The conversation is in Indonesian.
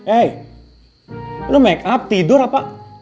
eh lo makeup tidur apa